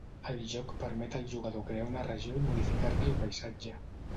El joc permet al jugador crear una regió i modificar-ne el paisatge.